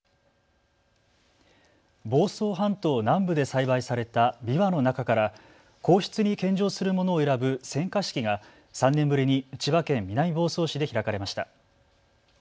房総半島南部で栽培されたびわの中から皇室に献上するものを選ぶ選果式が３年ぶりに千葉県南房総市で開かれました。